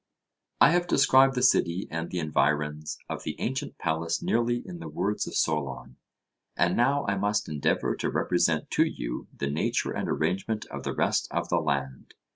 I have described the city and the environs of the ancient palace nearly in the words of Solon, and now I must endeavour to represent to you the nature and arrangement of the rest of the land.